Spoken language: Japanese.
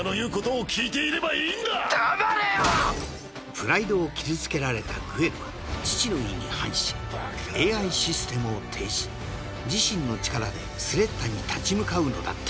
プライドを傷つけられたグエルは父の意に反しＡⅠシステムを停止自身の力でスレッタに立ち向かうのだった